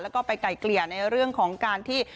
แล้วก็ไปไกลเกลี่ยในเรื่องของการที่